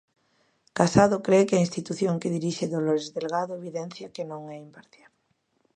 Casado cre que a institución que dirixe Dolores Delgado evidencia que non é imparcial.